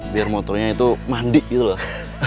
biar motornya itu mandi gitu loh